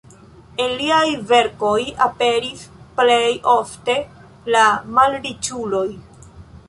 En liaj verkoj aperis plej ofte la malriĉuloj.